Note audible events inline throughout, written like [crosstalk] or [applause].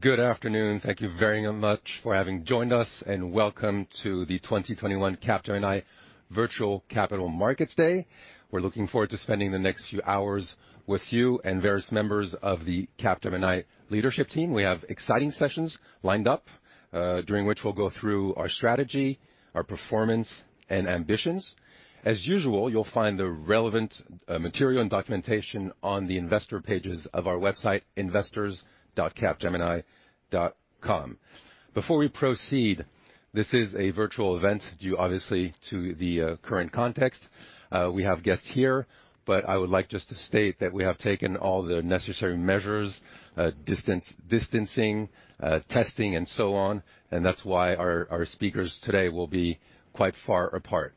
Good afternoon. Thank you very much for having joined us, and welcome to the 2021 Capgemini Virtual Capital Markets Day. We're looking forward to spending the next few hours with you and various members of the Capgemini leadership team. We have exciting sessions lined up, during which we'll go through our strategy, our performance, and ambitions. As usual, you'll find the relevant material and documentation on the investor pages of our website, investors.capgemini.com. Before we proceed, this is a virtual event due, obviously, to the current context. We have guests here, but I would like just to state that we have taken all the necessary measures, distancing, testing, and so on, and that's why our speakers today will be quite far apart.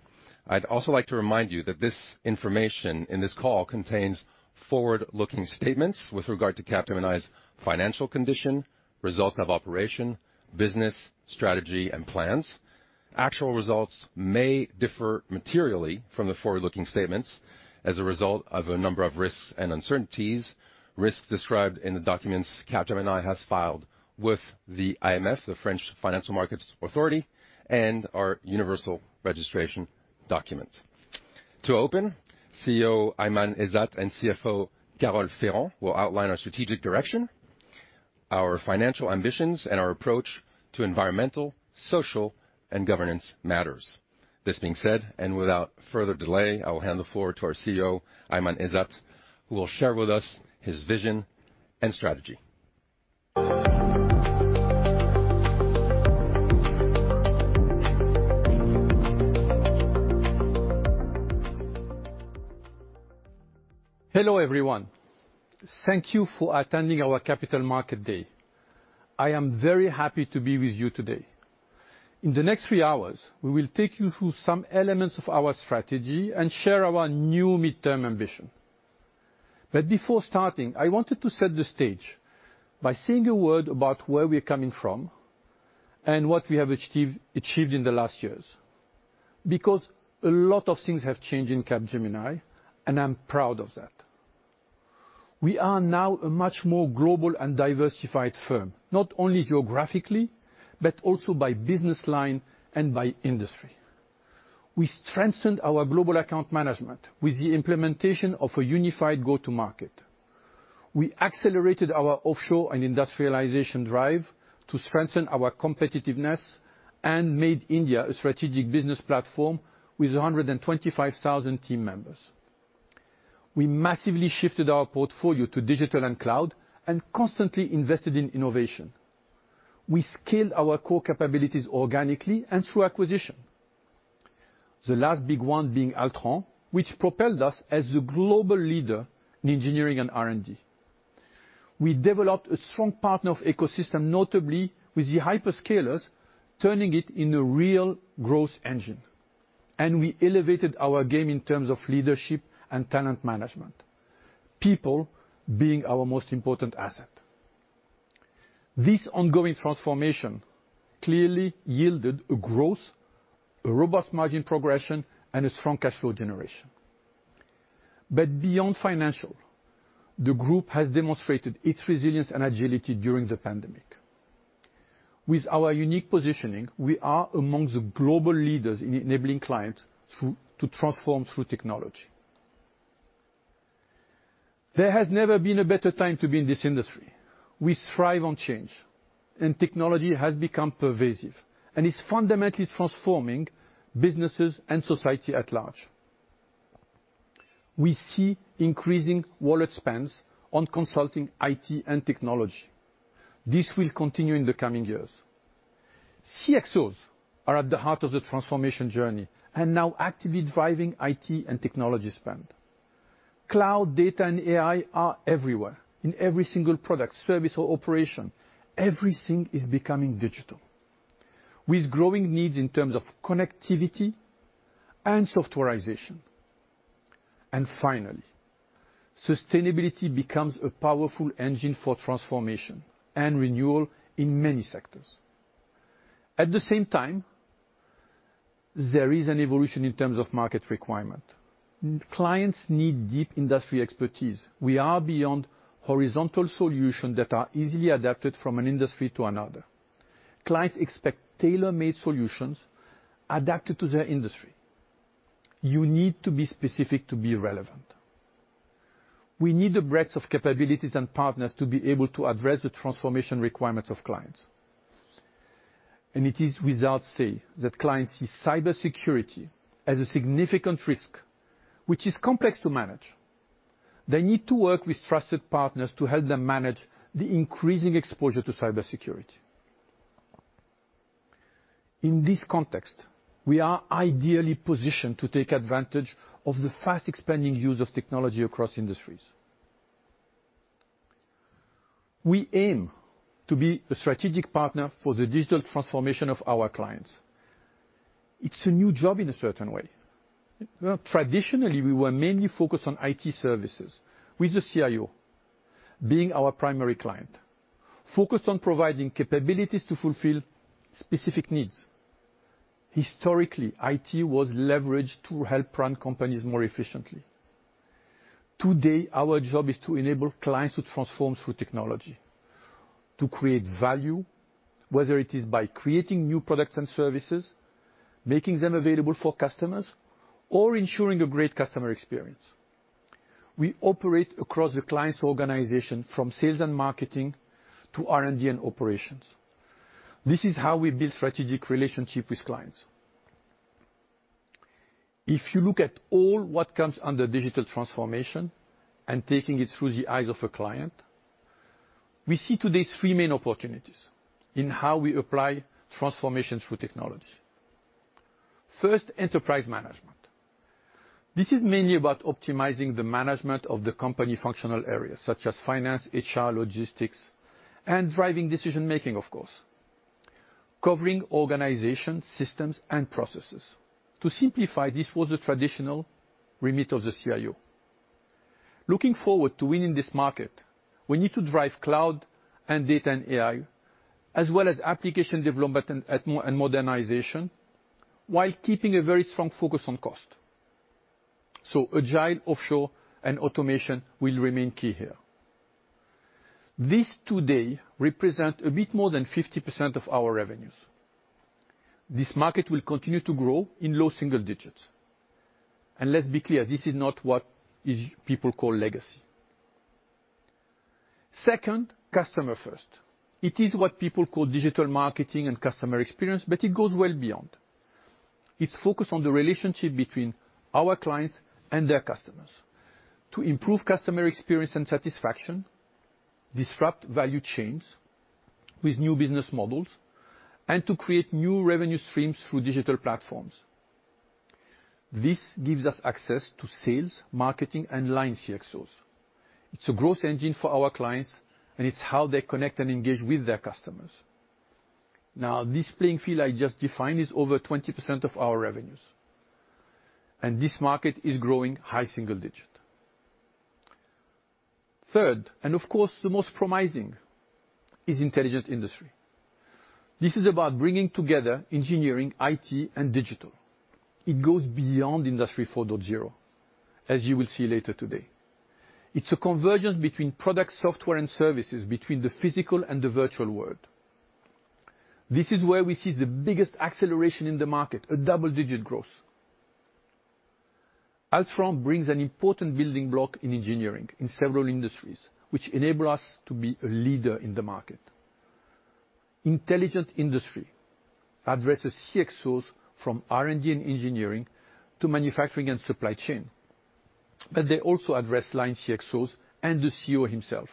I'd also like to remind you that this information in this call contains forward-looking statements with regard to Capgemini's financial condition, results of operation, business, strategy, and plans. Actual results may differ materially from the forward-looking statements as a result of a number of risks and uncertainties, risks described in the documents Capgemini has filed with the IMF, the French Financial Markets Authority, and our universal registration document. To open, CEO Aiman Ezzat and CFO Carole Ferrand will outline our strategic direction, our financial ambitions, and our approach to environmental, social, and governance matters. This being said, and without further delay, I will hand the floor to our CEO, Aiman Ezzat, who will share with us his vision and strategy. Hello everyone. Thank you for attending our Capital Markets Day. I am very happy to be with you today. In the next three hours, we will take you through some elements of our strategy and share our new midterm ambition. Before starting, I wanted to set the stage by saying a word about where we're coming from and what we have achieved in the last years, because a lot of things have changed in Capgemini, and I'm proud of that. We are now a much more global and diversified firm, not only geographically, but also by business line and by industry. We strengthened our global account management with the implementation of a unified go-to-market. We accelerated our offshore and industrialization drive to strengthen our competitiveness and made India a strategic business platform with 125,000 team members. We massively shifted our portfolio to digital and cloud and constantly invested in innovation. We scaled our core capabilities organically and through acquisition, the last big one being Altran, which propelled us as a global leader in engineering and R&D. We developed a strong partner ecosystem, notably with the hyperscalers, turning it into a real growth engine. We elevated our game in terms of leadership and talent management, people being our most important asset. This ongoing transformation clearly yielded a growth, a robust margin progression, and a strong cash flow generation. Beyond financial, the group has demonstrated its resilience and agility during the pandemic. With our unique positioning, we are among the global leaders in enabling clients to transform through technology. There has never been a better time to be in this industry. We thrive on change, and technology has become pervasive and is fundamentally transforming businesses and society at large. We see increasing wallet spends on consulting, IT, and technology. This will continue in the coming years. CXOs are at the heart of the transformation journey and now actively driving IT and technology spend. Cloud, data, and AI are everywhere, in every single product, service, or operation. Everything is becoming digital, with growing needs in terms of connectivity and softwarization. Finally, sustainability becomes a powerful engine for transformation and renewal in many sectors. At the same time, there is an evolution in terms of market requirement. Clients need deep industry expertise. We are beyond horizontal solutions that are easily adapted from an industry to another. Clients expect tailor-made solutions adapted to their industry. You need to be specific to be relevant. We need a breadth of capabilities and partners to be able to address the transformation requirements of clients. It is without say that clients see cybersecurity as a significant risk, which is complex to manage. They need to work with trusted partners to help them manage the increasing exposure to cybersecurity. In this context, we are ideally positioned to take advantage of the fast-expanding use of technology across industries. We aim to be a strategic partner for the digital transformation of our clients. It's a new job in a certain way. Traditionally, we were mainly focused on IT services, with the CIO being our primary client, focused on providing capabilities to fulfill specific needs. Historically, IT was leveraged to help run companies more efficiently. Today, our job is to enable clients to transform through technology, to create value, whether it is by creating new products and services, making them available for customers, or ensuring a great customer experience. We operate across the client's organization, from sales and marketing to R&D and operations. This is how we build strategic relationships with clients. If you look at all what comes under digital transformation and taking it through the eyes of a client, we see today three main opportunities in how we apply transformation through technology. First, enterprise management. This is mainly about optimizing the management of the company functional areas, such as finance, HR, logistics, and driving decision-making, of course, covering organizations, systems, and processes. To simplify, this was the traditional remit of the CIO. Looking forward to winning this market, we need to drive cloud and data and AI, as well as application development and modernization, while keeping a very strong focus on cost. Agile, offshore, and automation will remain key here. This today represents a bit more than 50% of our revenues. This market will continue to grow in low single digits. Let's be clear, this is not what people call legacy. Second, customer-first. It is what people call digital marketing and customer experience, but it goes well beyond. It's focused on the relationship between our clients and their customers to improve customer experience and satisfaction, disrupt value chains with new business models, and to create new revenue streams through digital platforms. This gives us access to sales, marketing, and line CXOs. It's a growth engine for our clients, and it's how they connect and engage with their customers. Now, this playing field I just defined is over 20% of our revenues, and this market is growing high single digit. Third, and of course, the most promising is intelligent industry. This is about bringing together engineering, IT, and digital. It goes beyond Industry 4.0, as you will see later today. It is a convergence between products, software, and services, between the physical and the virtual world. This is where we see the biggest acceleration in the market, a double-digit growth. Altran brings an important building block in engineering in several industries, which enables us to be a leader in the market. Intelligent industry addresses CXOs from R&D and engineering to manufacturing and supply chain, but they also address line CXOs and the CEO himself.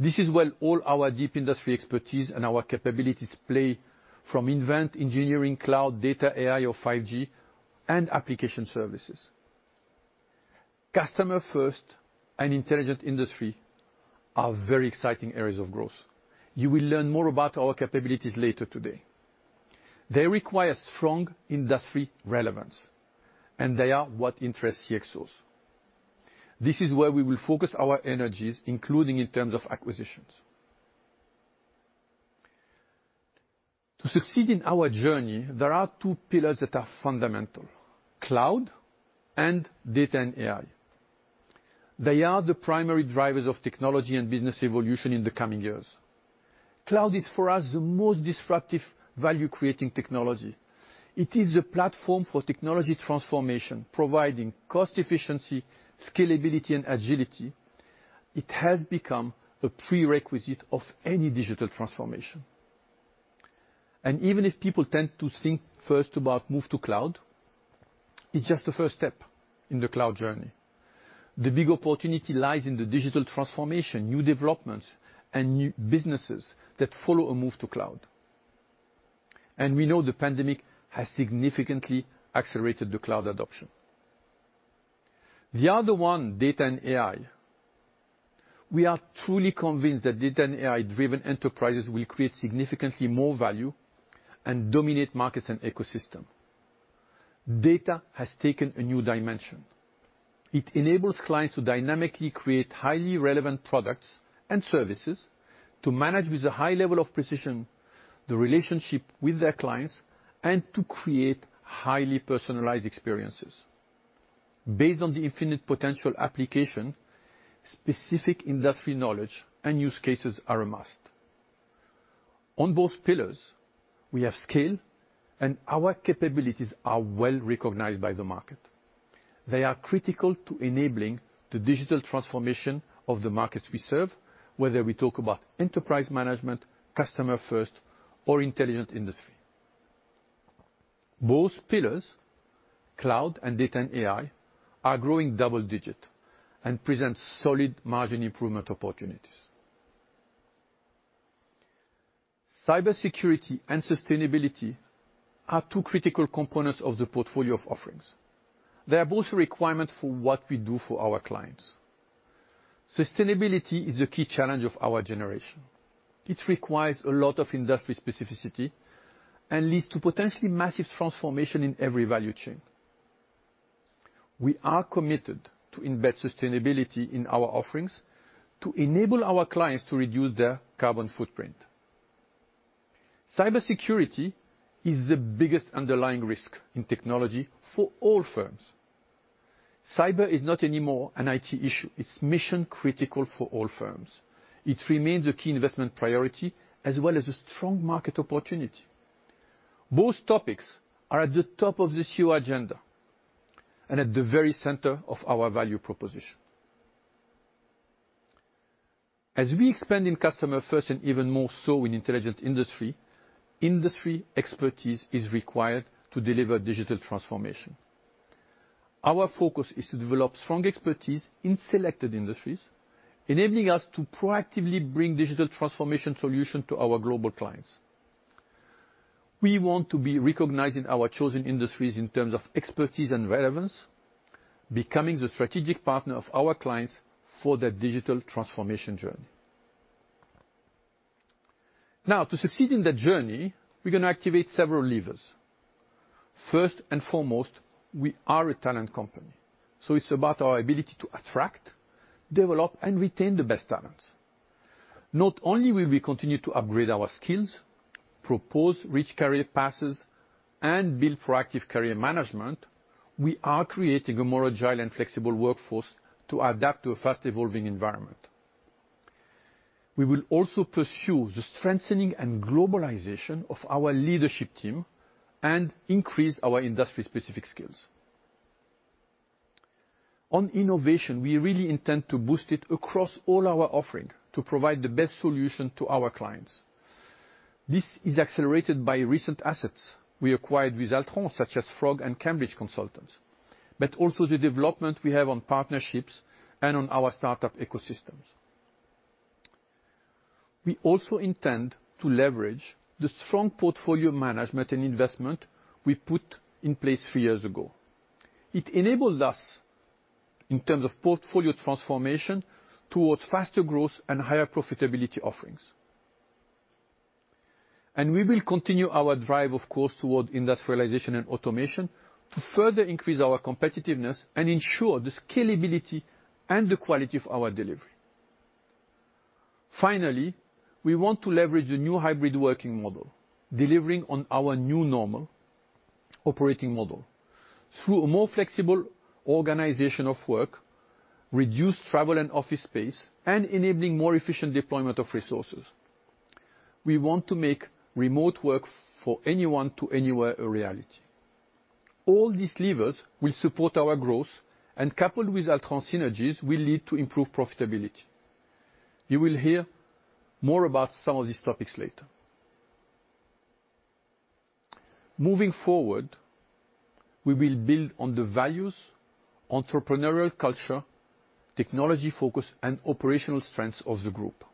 This is where all our deep industry expertise and our capabilities play from invent, engineering, cloud, data, AI, or 5G, and application services. Customer-first and intelligent industry are very exciting areas of growth. You will learn more about our capabilities later today. They require strong industry relevance, and they are what interests CXOs. This is where we will focus our energies, including in terms of acquisitions. To succeed in our journey, there are two pillars that are fundamental: cloud and data and AI. They are the primary drivers of technology and business evolution in the coming years. Cloud is, for us, the most disruptive value-creating technology. It is the platform for technology transformation, providing cost efficiency, scalability, and agility. It has become a prerequisite of any digital transformation. Even if people tend to think first about moving to cloud, it's just the first step in the cloud journey. The big opportunity lies in the digital transformation, new developments, and new businesses that follow a move to cloud. We know the pandemic has significantly accelerated the cloud adoption. The other one, data and AI. We are truly convinced that data and AI-driven enterprises will create significantly more value and dominate markets and ecosystems. Data has taken a new dimension. It enables clients to dynamically create highly relevant products and services, to manage with a high level of precision the relationship with their clients, and to create highly personalized experiences. Based on the infinite potential application, specific industry knowledge and use cases are a must. On both pillars, we have scale, and our capabilities are well recognized by the market. They are critical to enabling the digital transformation of the markets we serve, whether we talk about enterprise management, customer-first, or intelligent industry. Both pillars, cloud and data and AI, are growing double-digit and present solid margin improvement opportunities. Cybersecurity and sustainability are two critical components of the portfolio of offerings. They are both requirements for what we do for our clients. Sustainability is the key challenge of our generation. It requires a lot of industry specificity and leads to potentially massive transformation in every value chain. We are committed to embed sustainability in our offerings to enable our clients to reduce their carbon footprint. Cybersecurity is the biggest underlying risk in technology for all firms. Cyber is not anymore an IT issue. It's mission-critical for all firms. It remains a key investment priority as well as a strong market opportunity. Both topics are at the top of the CEO agenda and at the very center of our value proposition. As we expand in customer-first and even more so in intelligent industry, industry expertise is required to deliver digital transformation. Our focus is to develop strong expertise in selected industries, enabling us to proactively bring digital transformation solutions to our global clients. We want to be recognized in our chosen industries in terms of expertise and relevance, becoming the strategic partner of our clients for that digital transformation journey. Now, to succeed in that journey, we're going to activate several levers. First and foremost, we are a talent company. So it's about our ability to attract, develop, and retain the best talents. Not only will we continue to upgrade our skills, propose rich career paths, and build proactive career management, we are creating a more agile and flexible workforce to adapt to a fast-evolving environment. We will also pursue the strengthening and globalization of our leadership team and increase our industry-specific skills. On innovation, we really intend to boost it across all our offerings to provide the best solution to our clients. This is accelerated by recent assets we acquired with Altran, such as Frog and Cambridge Consultants, but also the development we have on partnerships and on our startup ecosystems. We also intend to leverage the strong portfolio management and investment we put in place three years ago. It enabled us, in terms of portfolio transformation, towards faster growth and higher profitability offerings. We will continue our drive, of course, towards industrialization and automation to further increase our competitiveness and ensure the scalability and the quality of our delivery. Finally, we want to leverage the new hybrid working model, delivering on our new normal operating model through a more flexible organization of work, reduced travel and office space, and enabling more efficient deployment of resources. We want to make remote work for anyone to anywhere a reality. All these levers will support our growth, and coupled with Altran synergies, will lead to improved profitability. You will hear more about some of these topics later. Moving forward, we will build on the values, entrepreneurial culture, technology focus, and operational strengths of the group.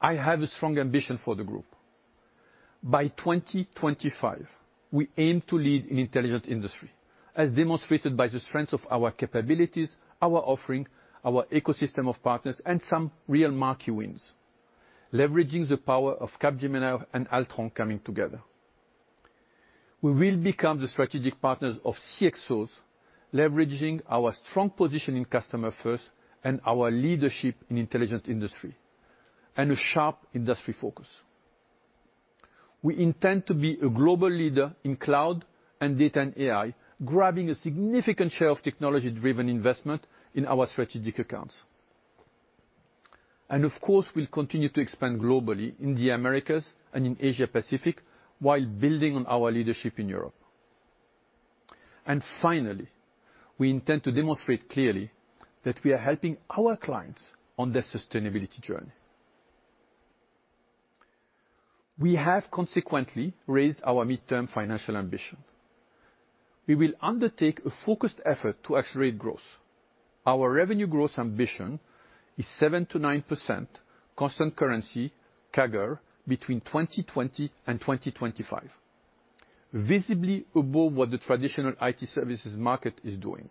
I have a strong ambition for the group. By 2025, we aim to lead in intelligent industry, as demonstrated by the strength of our capabilities, our offering, our ecosystem of partners, and some real marquee wins, leveraging the power of Capgemini and Altran coming together. We will become the strategic partners of CXOs, leveraging our strong position in customer-first and our leadership in intelligent industry, and a sharp industry focus. We intend to be a global leader in cloud and data and AI, grabbing a significant share of technology-driven investment in our strategic accounts. Of course, we will continue to expand globally in the Americas and in Asia-Pacific while building on our leadership in Europe. Finally, we intend to demonstrate clearly that we are helping our clients on their sustainability journey. We have consequently raised our midterm financial ambition. We will undertake a focused effort to accelerate growth. Our revenue growth ambition is 7%-9% constant currency CAGR between 2020 and 2025, visibly above what the traditional IT services market is doing.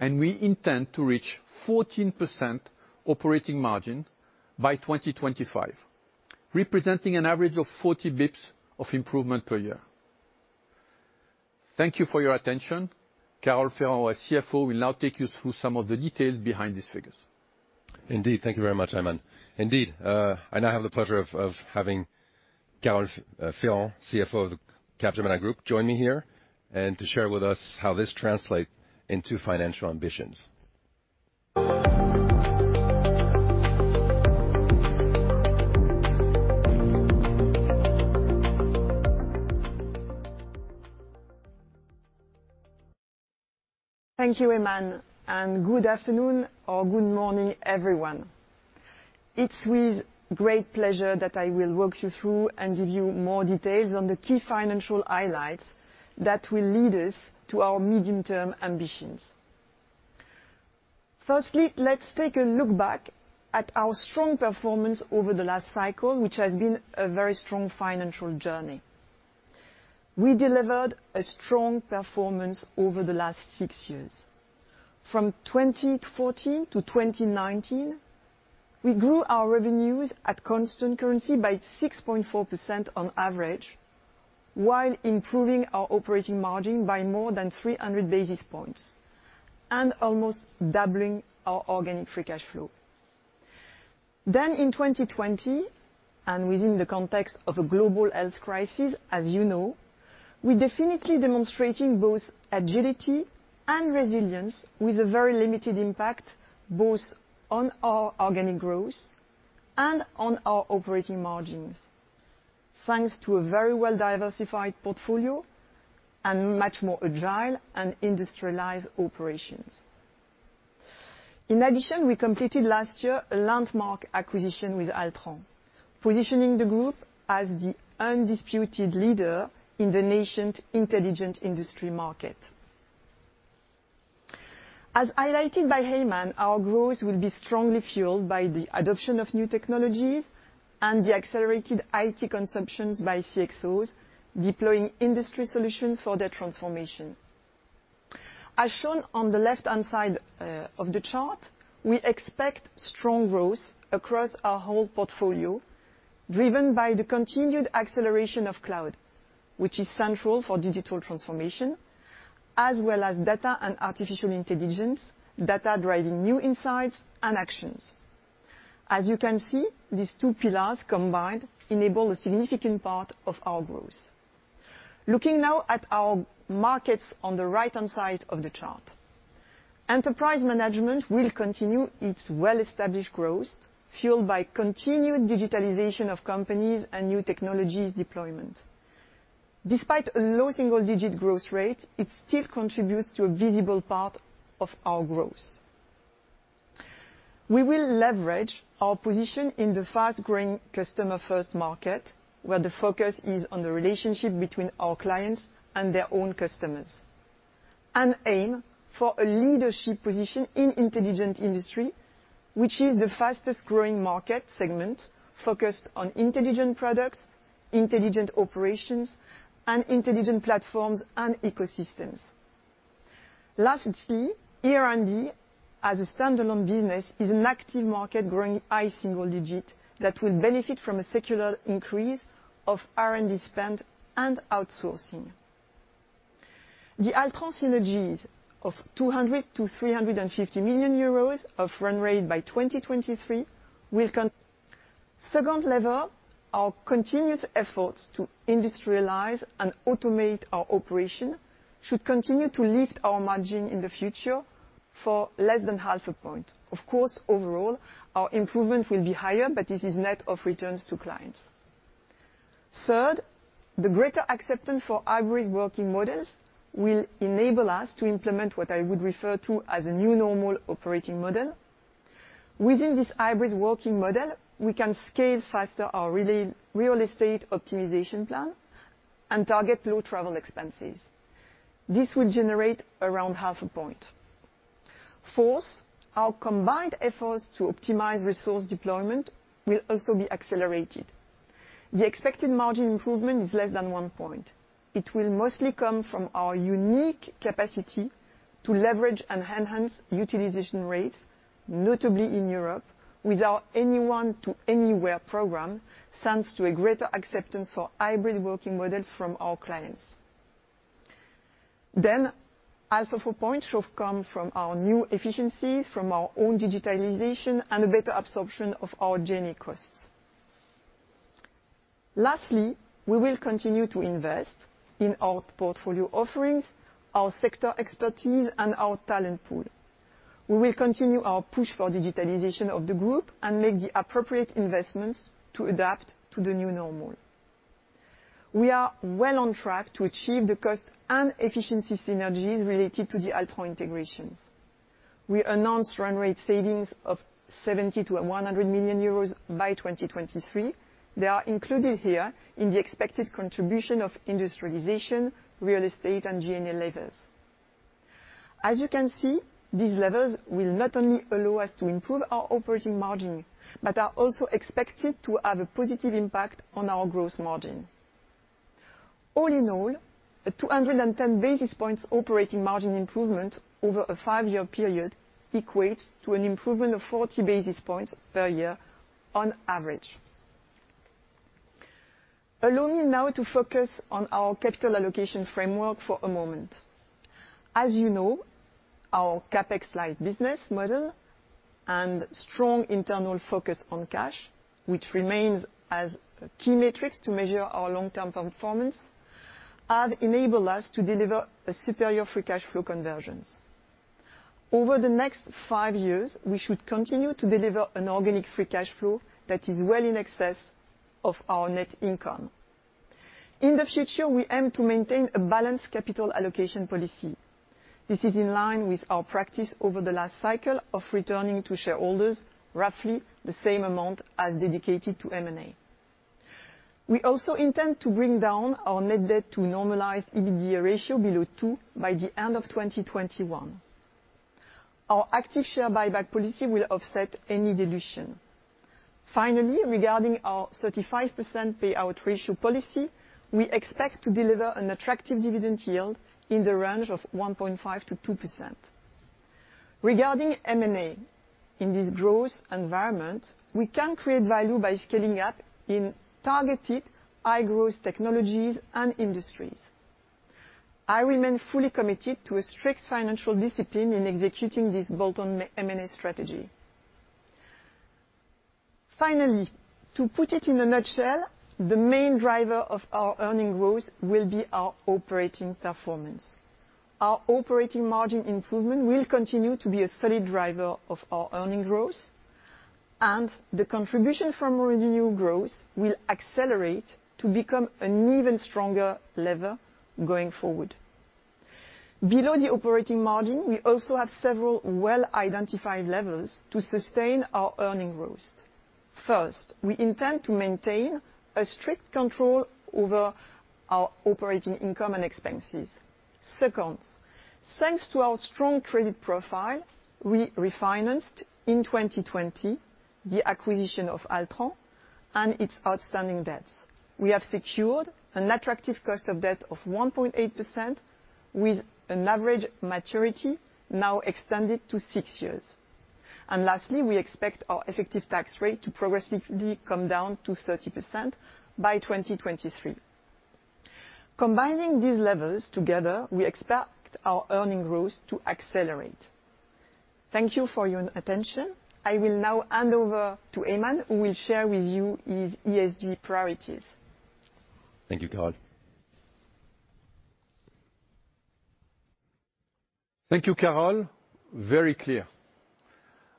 We intend to reach 14% operating margin by 2025, representing an average of 40 basis points of improvement per year. Thank you for your attention. Carole Ferrand, our CFO, will now take you through some of the details behind these figures. Indeed.Thank you very much, Aiman. Indeed, I now have the pleasure of having Carole Ferrand, CFO of the Capgemini Group, join me here and to share with us how this translates into financial ambitions. Thank you, Aiman. Good afternoon or good morning, everyone. It is with great pleasure that I will walk you through and give you more details on the key financial highlights that will lead us to our medium-term ambitions. Firstly, let's take a look back at our strong performance over the last cycle, which has been a very strong financial journey. We delivered a strong performance over the last six years. From 2014 to 2019, we grew our revenues at constant currency by 6.4% on average, while improving our operating margin by more than 300 basis points and almost doubling our organic free cash flow. In 2020, and within the context of a global health crisis, as you know, we definitely demonstrated both agility and resilience with a very limited impact both on our organic growth and on our operating margins, thanks to a very well-diversified portfolio and much more agile and industrialized operations. In addition, we completed last year a landmark acquisition with Altran, positioning the group as the undisputed leader in the nation's intelligent industry market. As highlighted by Aiman, our growth will be strongly fueled by the adoption of new technologies and the accelerated IT consumptions by CXOs deploying industry solutions for their transformation. As shown on the left-hand side of the chart, we expect strong growth across our whole portfolio, driven by the continued acceleration of cloud, which is central for digital transformation, as well as data and artificial intelligence, data driving new insights and actions. As you can see, these two pillars combined enable a significant part of our growth. Looking now at our markets on the right-hand side of the chart, enterprise management will continue its well-established growth, fueled by continued digitalization of companies and new technologies deployment. Despite a low single-digit growth rate, it still contributes to a visible part of our growth. We will leverage our position in the fast-growing customer-first market, where the focus is on the relationship between our clients and their own customers, and aim for a leadership position in intelligent industry, which is the fastest-growing market segment focused on intelligent products, intelligent operations, and intelligent platforms and ecosystems. Lastly, R&D, as a standalone business, is an active market growing by single digit that will benefit from a secular increase of R&D spend and outsourcing. The Altran synergies of 200 million-350 million euros of run rate by 2023 will. [audio distortion] Second lever, our continuous efforts to industrialize and automate our operation should continue to lift our margin in the future for less than half a point. Of course, overall, our improvement will be higher, but this is net of returns to clients. Third, the greater acceptance for hybrid working models will enable us to implement what I would refer to as a new normal operating model. Within this hybrid working model, we can scale faster our real estate optimization plan and target low travel expenses. This will generate around half a point. Fourth, our combined efforts to optimize resource deployment will also be accelerated. The expected margin improvement is less than one point. It will mostly come from our unique capacity to leverage and enhance utilization rates, notably in Europe, with our anyone to anywhere program, thanks to a greater acceptance for hybrid working models from our clients. Half of a point should come from our new efficiencies, from our own digitalization, and a better absorption of our journey costs. Lastly, we will continue to invest in our portfolio offerings, our sector expertise, and our talent pool. We will continue our push for digitalization of the group and make the appropriate investments to adapt to the new normal. We are well on track to achieve the cost and efficiency synergies related to the Altran integrations. We announced run rate savings of 70 million-100 million euros by 2023. They are included here in the expected contribution of industrialization, real estate, and GNL levers. As you can see, these levers will not only allow us to improve our operating margin, but are also expected to have a positive impact on our gross margin. All in all, a 210 basis points operating margin improvement over a five-year period equates to an improvement of 40 basis points per year on average. Allow me now to focus on our capital allocation framework for a moment. As you know, our CapEx-like business model and strong internal focus on cash, which remains as key metrics to measure our long-term performance, have enabled us to deliver superior free cash flow conversions. Over the next five years, we should continue to deliver an organic free cash flow that is well in excess of our net income. In the future, we aim to maintain a balanced capital allocation policy. This is in line with our practice over the last cycle of returning to shareholders roughly the same amount as dedicated to M&A. We also intend to bring down our net debt to normalized EBITDA ratio below 2 by the end of 2021. Our active share buyback policy will offset any dilution. Finally, regarding our 35% payout ratio policy, we expect to deliver an attractive dividend yield in the range of 1.5%-2%. Regarding M&A, in this growth environment, we can create value by scaling up in targeted high-growth technologies and industries. I remain fully committed to a strict financial discipline in executing this Bolton M&A strategy. Finally, to put it in a nutshell, the main driver of our earning growth will be our operating performance. Our operating margin improvement will continue to be a solid driver of our earning growth, and the contribution from revenue growth will accelerate to become an even stronger lever going forward. Below the operating margin, we also have several well-identified levers to sustain our earning growth. First, we intend to maintain a strict control over our operating income and expenses. Second, thanks to our strong credit profile, we refinanced in 2020 the acquisition of Altran and its outstanding debts. We have secured an attractive cost of debt of 1.8% with an average maturity now extended to six years. Lastly, we expect our effective tax rate to progressively come down to 30% by 2023. Combining these levers together, we expect our earning growth to accelerate. Thank you for your attention. I will now hand over to Aiman, who will share with you his ESG priorities. Thank you, Carole. Thank you, Carole. Very clear.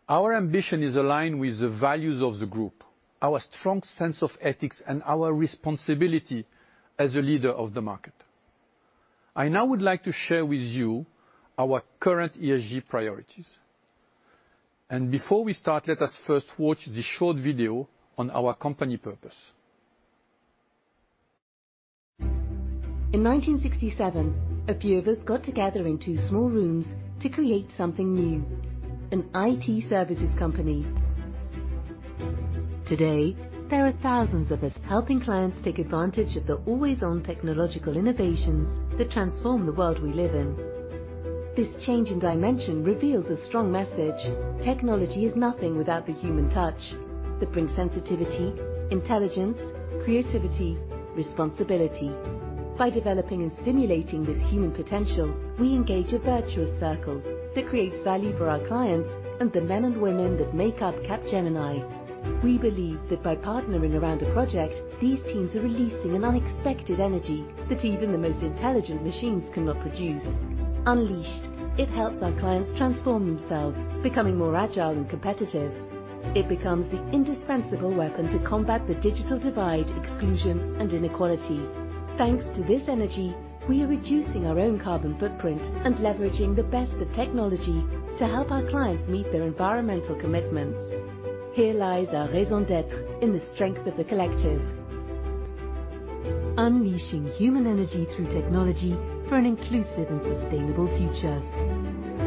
Our ambition is aligned with the values of the group, our strong sense of ethics, and our responsibility as a leader of the market. I now would like to share with you our current ESG priorities. Before we start, let us first watch the short video on our company purpose. In 1967, a few of us got together in two small rooms to create something new: an IT services company. Today, there are thousands of us helping clients take advantage of the always-on technological innovations that transform the world we live in. This change in dimension reveals a strong message: technology is nothing without the human touch that brings sensitivity, intelligence, creativity, responsibility. By developing and stimulating this human potential, we engage a virtuous circle that creates value for our clients and the men and women that make up Capgemini. We believe that by partnering around a project, these teams are releasing an unexpected energy that even the most intelligent machines cannot produce. Unleashed, it helps our clients transform themselves, becoming more agile and competitive. It becomes the indispensable weapon to combat the digital divide, exclusion, and inequality. Thanks to this energy, we are reducing our own carbon footprint and leveraging the best of technology to help our clients meet their environmental commitments. Here lies our raison d'être in the strength of the collective. Unleashing human energy through technology for an inclusive and sustainable future.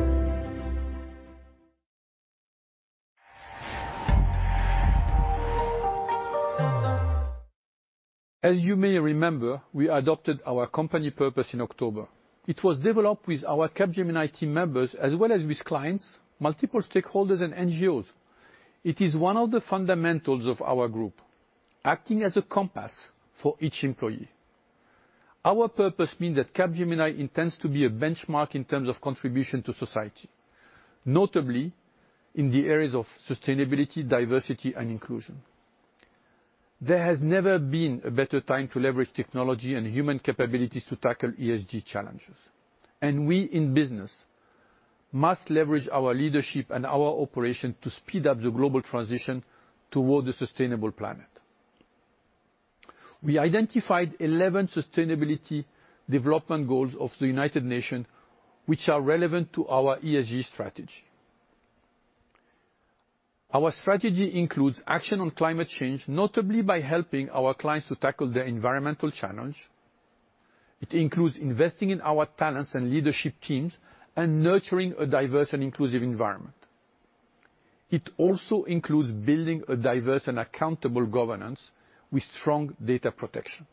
As you may remember, we adopted our company purpose in October. It was developed with our Capgemini team members as well as with clients, multiple stakeholders, and NGOs. It is one of the fundamentals of our group: acting as a compass for each employee. Our purpose means that Capgemini intends to be a benchmark in terms of contribution to society, notably in the areas of sustainability, diversity, and inclusion. There has never been a better time to leverage technology and human capabilities to tackle ESG challenges. We in business must leverage our leadership and our operations to speed up the global transition toward a sustainable planet. We identified 11 sustainability development goals of the United Nations, which are relevant to our ESG strategy. Our strategy includes action on climate change, notably by helping our clients to tackle their environmental challenges. It includes investing in our talents and leadership teams and nurturing a diverse and inclusive environment. It also includes building a diverse and accountable governance with strong data protection.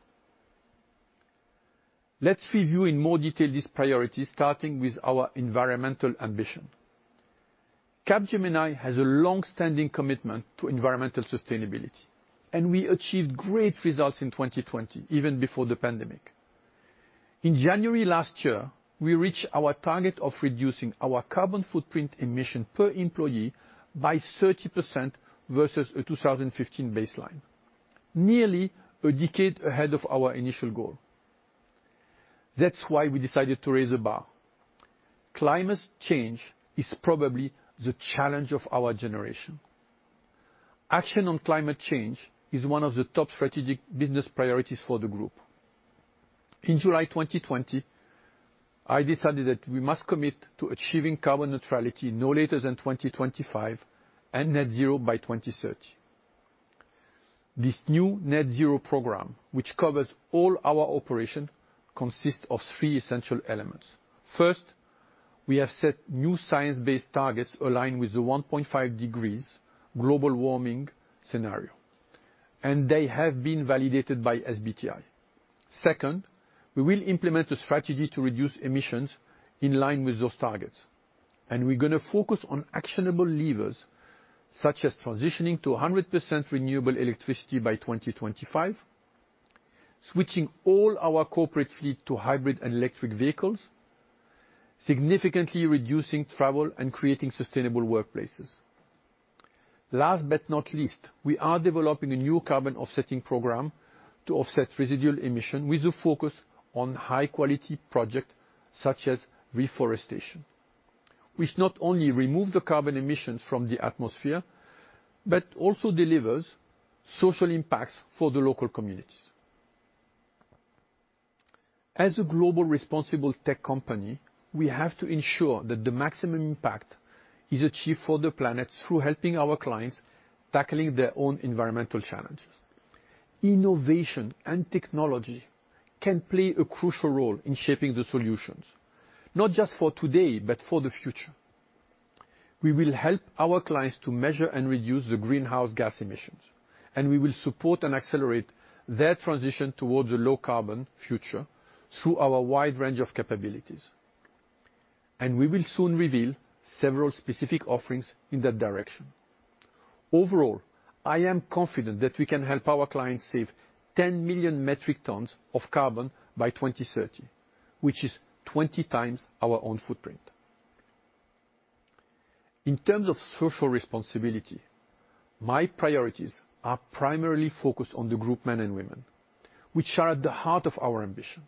Let's review in more detail these priorities, starting with our environmental ambition. Capgemini has a long-standing commitment to environmental sustainability, and we achieved great results in 2020, even before the pandemic. In January last year, we reached our target of reducing our carbon footprint emission per employee by 30% versus a 2015 baseline, nearly a decade ahead of our initial goal. That's why we decided to raise a bar. Climate change is probably the challenge of our generation. Action on climate change is one of the top strategic business priorities for the group. In July 2020, I decided that we must commit to achieving carbon neutrality no later than 2025 and net zero by 2030. This new net zero program, which covers all our operations, consists of three essential elements. First, we have set new science-based targets aligned with the 1.5 degrees global warming scenario, and they have been validated by SBTi. Second, we will implement a strategy to reduce emissions in line with those targets. We are going to focus on actionable levers such as transitioning to 100% renewable electricity by 2025, switching all our corporate fleet to hybrid and electric vehicles, significantly reducing travel and creating sustainable workplaces. Last but not least, we are developing a new carbon offsetting program to offset residual emissions with a focus on high-quality projects such as reforestation, which not only removes the carbon emissions from the atmosphere but also delivers social impacts for the local communities. As a global responsible tech company, we have to ensure that the maximum impact is achieved for the planet through helping our clients tackle their own environmental challenges. Innovation and technology can play a crucial role in shaping the solutions, not just for today but for the future. We will help our clients to measure and reduce the greenhouse gas emissions, and we will support and accelerate their transition towards a low-carbon future through our wide range of capabilities. We will soon reveal several specific offerings in that direction. Overall, I am confident that we can help our clients save 10 million metric tons of carbon by 2030, which is 20 times our own footprint. In terms of social responsibility, my priorities are primarily focused on the group men and women, which are at the heart of our ambition.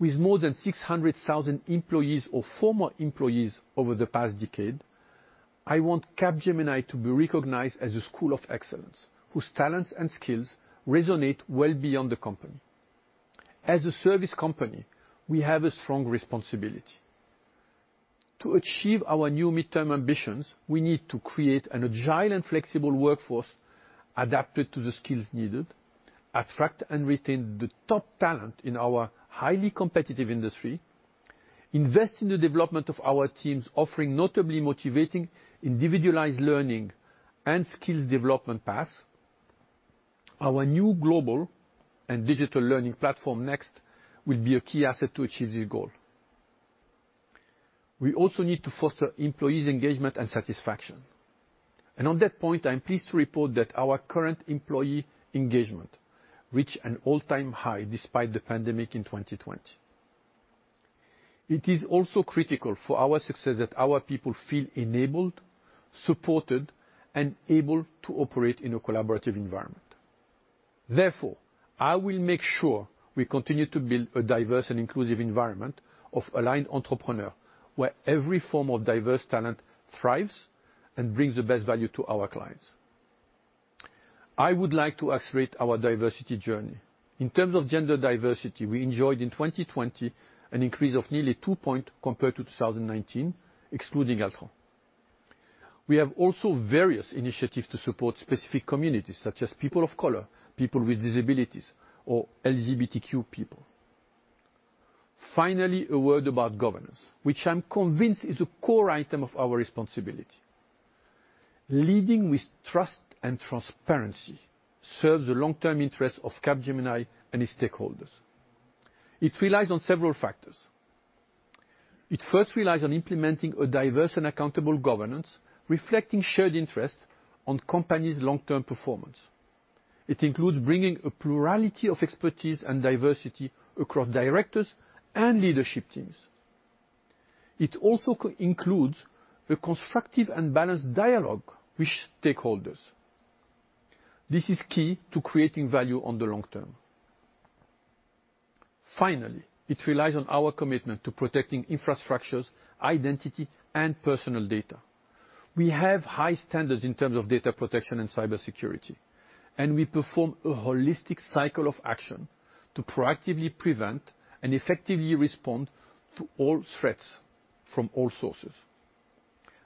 With more than 600,000 employees or former employees over the past decade, I want Capgemini to be recognized as a school of excellence whose talents and skills resonate well beyond the company. As a service company, we have a strong responsibility. To achieve our new midterm ambitions, we need to create an agile and flexible workforce adapted to the skills needed, attract and retain the top talent in our highly competitive industry, invest in the development of our teams offering notably motivating individualized learning and skills development paths. Our new global and digital learning platform Next will be a key asset to achieve this goal. We also need to foster employees' engagement and satisfaction. On that point, I'm pleased to report that our current employee engagement reached an all-time high despite the pandemic in 2020. It is also critical for our success that our people feel enabled, supported, and able to operate in a collaborative environment. Therefore, I will make sure we continue to build a diverse and inclusive environment of aligned entrepreneurs where every form of diverse talent thrives and brings the best value to our clients. I would like to accelerate our diversity journey. In terms of gender diversity, we enjoyed in 2020 an increase of nearly two percentage points compared to 2019, excluding Altran. We have also various initiatives to support specific communities such as people of color, people with disabilities, or LGBTQ people. Finally, a word about governance, which I'm convinced is a core item of our responsibility. Leading with trust and transparency serves the long-term interests of Capgemini and its stakeholders. It relies on several factors. It first relies on implementing a diverse and accountable governance reflecting shared interests on companies' long-term performance. It includes bringing a plurality of expertise and diversity across directors and leadership teams. It also includes a constructive and balanced dialogue with stakeholders. This is key to creating value on the long term. Finally, it relies on our commitment to protecting infrastructures, identity, and personal data. We have high standards in terms of data protection and cybersecurity, and we perform a holistic cycle of action to proactively prevent and effectively respond to all threats from all sources.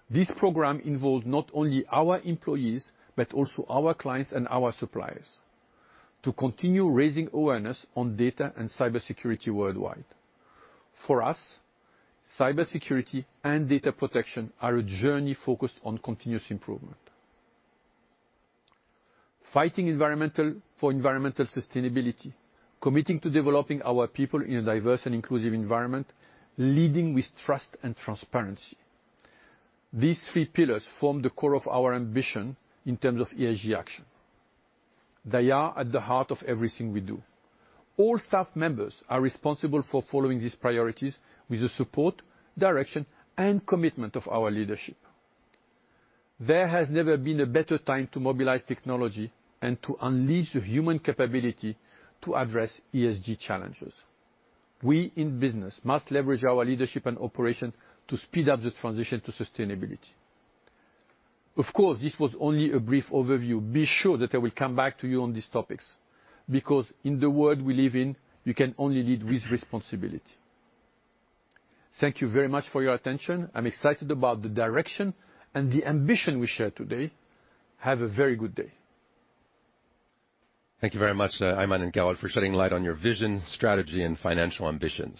This program involves not only our employees but also our clients and our suppliers to continue raising awareness on data and cybersecurity worldwide. For us, cybersecurity and data protection are a journey focused on continuous improvement. Fighting for environmental sustainability, committing to developing our people in a diverse and inclusive environment, leading with trust and transparency. These three pillars form the core of our ambition in terms of ESG action. They are at the heart of everything we do. All staff members are responsible for following these priorities with the support, direction, and commitment of our leadership. There has never been a better time to mobilize technology and to unleash the human capability to address ESG challenges. We in business must leverage our leadership and operations to speed up the transition to sustainability. Of course, this was only a brief overview. Be sure that I will come back to you on these topics because in the world we live in, you can only lead with responsibility. Thank you very much for your attention. I'm excited about the direction and the ambition we shared today. Have a very good day. Thank you very much, Aiman and Carole, for shedding light on your vision, strategy, and financial ambitions.